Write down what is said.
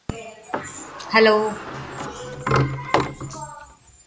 The residence and its grounds are part of the present-day Indianapolis Museum of Art.